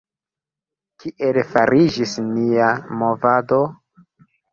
Kiel fariĝis nia movado?